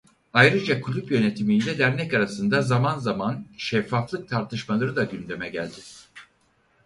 Ayrıca kulüp yönetimi ile dernek arasında zaman zaman şeffaflık tartışmaları da gündeme geldi.